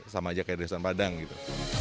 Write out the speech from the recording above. sama aja kayak desain padang gitu